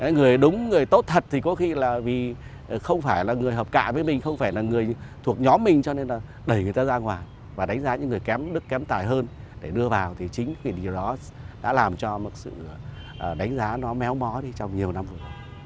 người đúng người tốt thật thì có khi là vì không phải là người hợp cạ với mình không phải là người thuộc nhóm mình cho nên là đẩy người ta ra ngoài và đánh giá những người kém tài hơn để đưa vào thì chính vì điều đó đã làm cho một sự đánh giá nó méo mó đi trong nhiều năm rồi